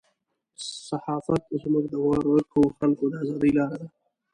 صحافت زموږ د ورکو خلکو د ازادۍ لاره ده.